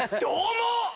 どうも。